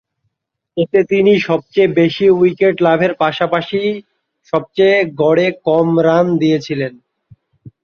এতে তিনি সবচেয়ে বেশি উইকেট লাভের পাশাপাশি সবচেয়ে গড়ে কম রান দিয়েছিলেন।